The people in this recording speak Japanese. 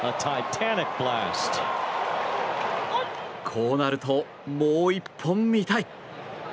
こうなると、もう１本見たい！